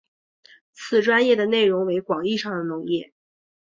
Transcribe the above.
此专页的内容为广义上的农业。